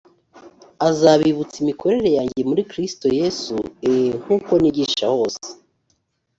azabibutsa imikorere yanjye muri kristo yesu e nk uko nigisha hose